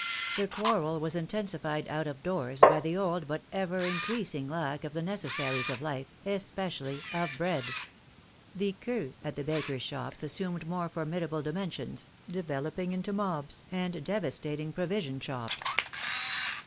The quarrel was intensified out of doors by the old but ever increasing lack of the necessaries of life, especially of bread. The queues at the bakers* shops assumed more formidable dimensions, developing into mobs and dev astating provision shops.